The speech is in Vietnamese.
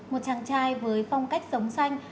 một chàng trai với phong cách sống xanh